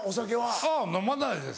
あぁ飲まないです。